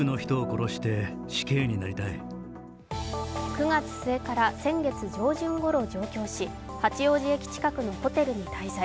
９月末から先月上旬ごろ上京し八王子駅近くのホテルに滞在。